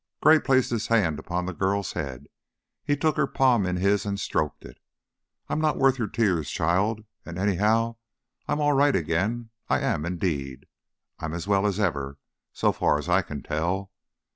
Gray placed his hand upon the girl's head; he took her palm in his and stroked it. "I'm not worth your tears, child. And, anyhow, I'm all right again; I am, indeed. I'm as well as ever, so far as I can tell.